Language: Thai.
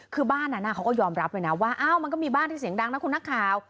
คือบ้านนั้นเขาก็ยอมรับเลยนะว่าอ้าวมันก็มีบ้านที่เสียงดังนะคุณนักข่าว